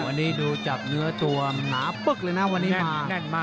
วันนี้ดูจากเนื้อตัวหนาปึ๊กเลยนะวันนี้มันแน่นมาก